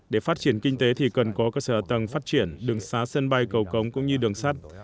để phát triển kinh tế thì cần có cơ sở tầng phát triển đường xá sân bay cầu cống cũng như đường sắt